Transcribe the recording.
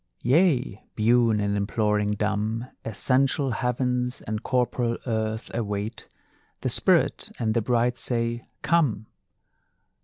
Yea, biune in imploring dumb, Essential Heavens and corporal Earth await; The Spirit and the Bride say: Come!